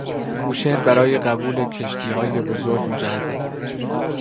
بوشهر برای قبول کشتیهای بزرگ مجهز است.